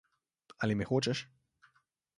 Ali me hočeš?